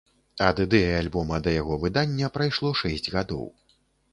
Ад ідэі альбома да яго выдання прайшло шэсць гадоў.